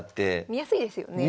見やすいですよね。